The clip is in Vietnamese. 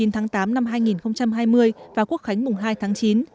một mươi tháng tám năm hai nghìn hai mươi và quốc khánh mùng hai tháng chín